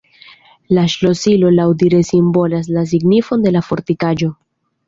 La ŝlosilo laŭdire simbolas la signifon de la fortikaĵo.